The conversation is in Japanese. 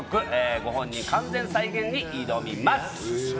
ご本人完全再現に挑みます。